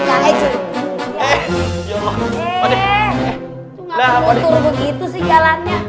gak mutur begitu sih jalannya